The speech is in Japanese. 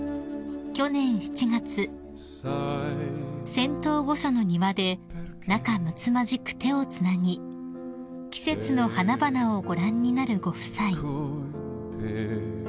［仙洞御所の庭で仲むつまじく手をつなぎ季節の花々をご覧になるご夫妻］